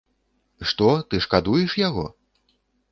Што, ты шкадуеш яго?